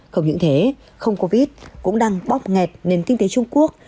không những thế không covid cũng đang bóp nghẹt nền kinh tế trung quốc